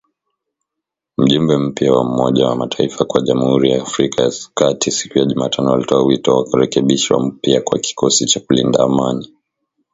Mjumbe mpya wa Umoja wa mataifa kwa Jamhuri ya Afrika ya kati siku ya Jumatano alitoa wito wa kurekebishwa upya kwa kikosi cha kulinda amani